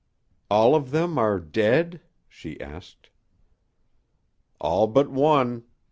'" "All of them are dead?" she asked. "All but one.